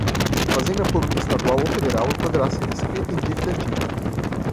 Fazenda Pública estadual ou federal e poderá ser inscrita em dívida ativa